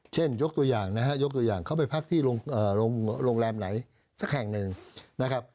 เช่นยกตัวอย่างนะครับเขาไปพักที่โรงแรมไหนสักแห่งหนึ่งนะครับ